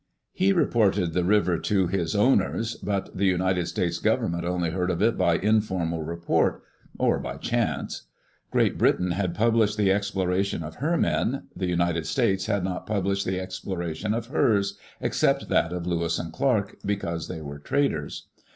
He reported the river to his owners, but the United States Government only heard of it by informal report, or by chance. Great Brit ain had published the exploration of her men; the United States had not published the exploration of hers, except that of Lewis and Clark, because they were traders.